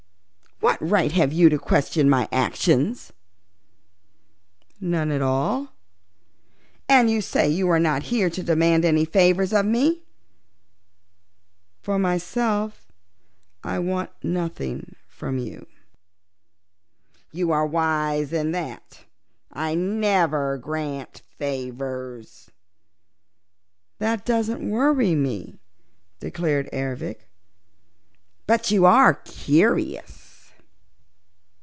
"What right have you to question my actions?" "None at all." "And you say you are not here to demand any favors of me?" "For myself I want nothing from you." "You are wise in that. I never grant favors." "That doesn't worry me," declared Ervic. "But you are curious?